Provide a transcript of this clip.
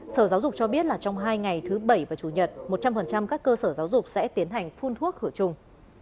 sở giáo dục cho biết là trong hai ngày thứ bảy và chủ nhật một trăm linh các cơ sở giáo dục sẽ tiến hành phun thuốc khử trùng